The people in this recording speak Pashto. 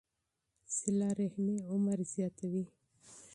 صله رحمي عمر زیاتوي.